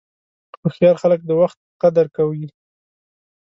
هوښیار خلک د وخت قدر کوي.